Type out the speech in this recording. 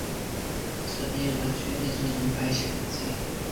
这边完全变成银白世界